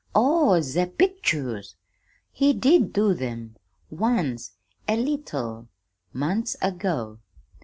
"'Oh ze pictures! He did do them once a leetle: months ago.'